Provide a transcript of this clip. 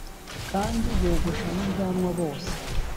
kandi bogosha n ubwanwa bose